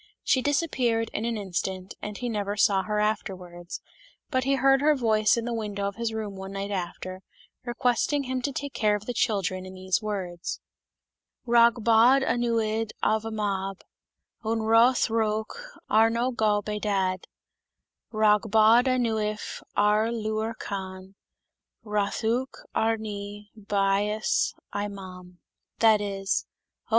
She disappeared in an instant, and he never saw her afterwards, but heard her voice in the window of his room one night after, requesting him to take care of the children, in these words :" Rhag bod anwyd arfy mab> Yn rhodd rhowch arno gob ei dad: Rhag bod anwyd ar liw'r cann> Rhoddwch ami bais ei mam" That is : "Oh!